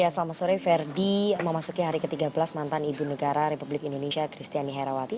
selamat sore ferdi memasuki hari ke tiga belas mantan ibu negara republik indonesia kristiani herawati